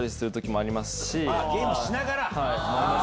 あっゲームしながら。